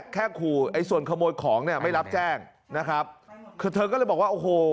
แค่ขู่ไอ้ส่วนขโมยของเนี่ยไม่รับแจ้งนะครับคือเธอก็เลยบอกว่าโอ้โห